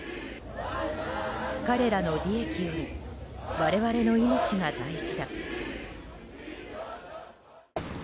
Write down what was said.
彼らの利益より我々の命が大事だ。